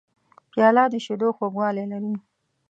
پیاله د شیدو خوږوالی لري.